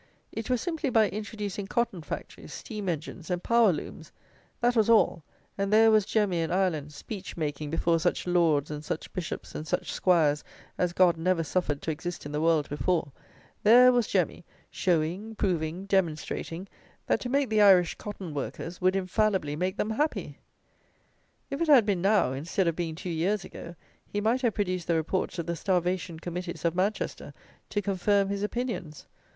It was simply by introducing cotton factories, steam engines, and power looms! That was all; and there was Jemmy in Ireland, speech making before such Lords and such Bishops and such 'Squires as God never suffered to exist in the world before: there was Jemmy, showing, proving, demonstrating, that to make the Irish cotton workers would infallibly make them happy! If it had been now, instead of being two years ago, he might have produced the reports of the starvation committees of Manchester to confirm his opinions.